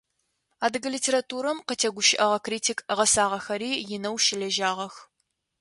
Адыгэ литературэм къытегущыӏэгъэ критик гъэсагъэхэри инэу щылэжьагъэх.